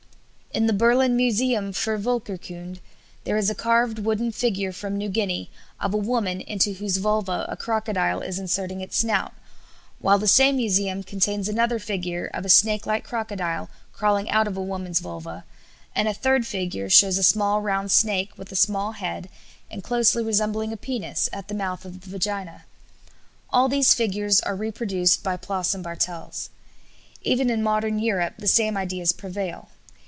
In the Berlin Museum für Volkerkunde there is a carved wooden figure from New Guinea of a woman into whose vulva a crocodile is inserting its snout, while the same museum contains another figure of a snake like crocodile crawling out of a woman's vulva, and a third figure shows a small round snake with a small head, and closely resembling a penis, at the mouth of the vagina. All these figures are reproduced by Ploss and Bartels. Even in modern Europe the same ideas prevail.